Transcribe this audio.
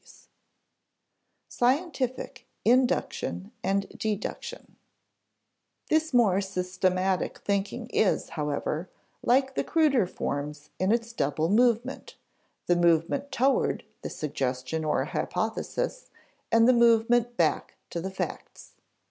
[Sidenote: Scientific induction and deduction] This more systematic thinking is, however, like the cruder forms in its double movement, the movement toward the suggestion or hypothesis and the movement back to facts.